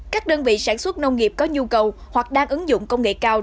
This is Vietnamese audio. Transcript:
các đơn vị sản xuất nông nghiệp có nhu cầu hoặc đang ứng dụng công nghệ cao